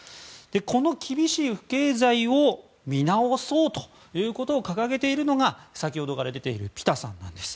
この厳しい不敬罪を見直そうということを掲げているのがピタさんなんです。